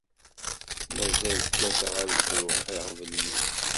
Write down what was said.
Mazal kkateɣ ad d-fruɣ aɣbel-nni.